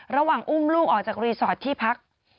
ระหว่างอุ้มลูกออกจากรีสอร์ทที่พัก